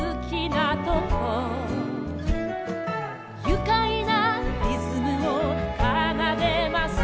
「ゆかいなリズムをかなでます」